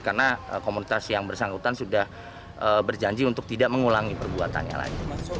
karena komunitas yang bersangkutan sudah berjanji untuk tidak mengulangi perbuatannya lagi